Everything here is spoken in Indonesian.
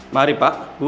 mari pak bu